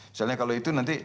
misalnya kalau itu nanti